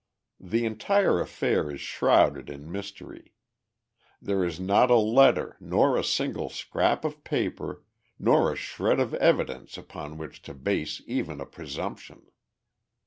The entire affair is shrouded in mystery. There is not a letter, nor a single scrap of paper, nor a shred of evidence upon which to base even a presumption.